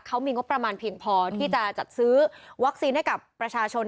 เขามีงบประมาณเพียงพอที่จะจัดซื้อวัคซีนให้กับประชาชน